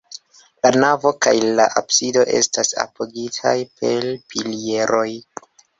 La navo kaj la absido estas apogitaj per pilieroj.